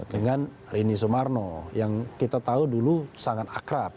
dengan rini sumarno yang kita tahu dulu sangat akrab